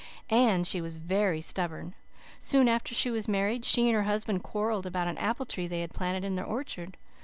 " And she was very stubborn. Soon after she was married she and her husband quarrelled about an apple tree they had planted in their orchard.